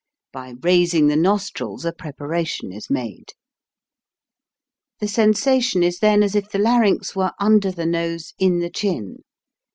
By raising the nostrils a preparation is made. The sen sation is then as if the larynx were under the nose in the chin.